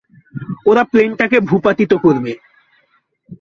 ওরা প্লেনটা ভূপাতিত করবে।